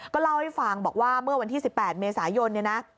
ก็เล่าให้ฟังบอกว่าเมื่อวันที่๑๘เมษายนเนี่ยนะ